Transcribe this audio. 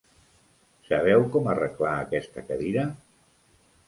Sabeu com arreglar aquesta cadira?